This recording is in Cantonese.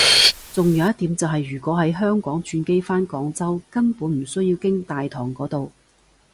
仲有一點就係如果喺香港轉機返廣州根本唔需要經大堂嗰度